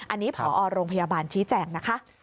อันนี้พอโรงพยาบาลชี้แจงนะคะ